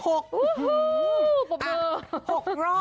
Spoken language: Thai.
วู้ฮู้ประเบิด